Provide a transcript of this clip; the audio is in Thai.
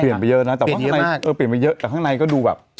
เปลี่ยนไปเยอะนะแต่ข้างในก็ดูแบบ